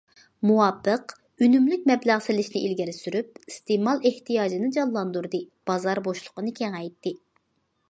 « مۇۋاپىق، ئۈنۈملۈك مەبلەغ سېلىشنى ئىلگىرى سۈرۈپ، ئىستېمال ئېھتىياجىنى جانلاندۇردى، بازار بوشلۇقىنى كېڭەيتتى».